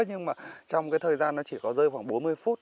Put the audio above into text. nhưng mà trong cái thời gian nó chỉ có rơi khoảng bốn mươi phút